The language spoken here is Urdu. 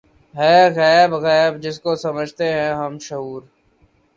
ہے غیب غیب‘ جس کو سمجھتے ہیں ہم شہود